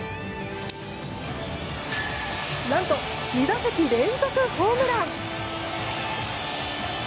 何と、２打席連続ホームラン。